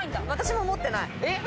私も持ってない。